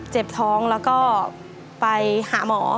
เจ็บท้องแล้วก็ไปหาหมอ